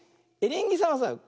エリンギさんはさ